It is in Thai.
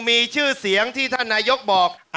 มีชื่อเสียงที่ท่านนายกบอก